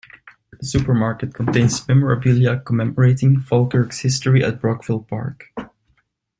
The supermarket contains memorabilia commemorating Falkirk's history at Brockville Park.